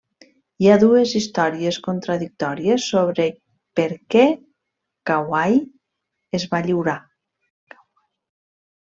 Hi ha dues històries contradictòries sobre per què Kauai es va lliurar.